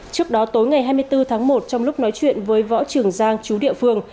trước đó tối ngày hai mươi bốn tháng một trong lúc nói chuyện với võ trường giang chú địa phương